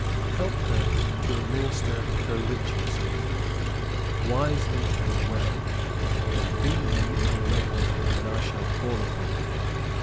Help her to administer her riches, Geoffrey, wisely and well; and be you all ready when I shall call upon you.